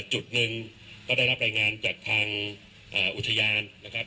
จุดหนึ่งก็ได้รับรายงานจากทางอุทยานนะครับ